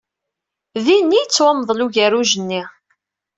Din i yettwamḍel ugerruj-nni.